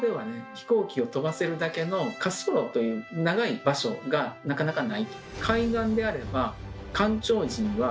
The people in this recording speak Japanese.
飛行機を飛ばせるだけの滑走路という長い場所がなかなかないと。